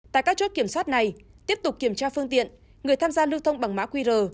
tại các chốt kiểm soát này tiếp tục kiểm tra phương tiện người tham gia lưu thông bằng mã qr